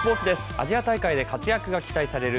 アジア大会で活躍が期待される